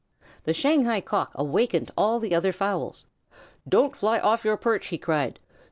The Shanghai Cock awakened all the other fowls. "Don't fly off your perch!" he cried.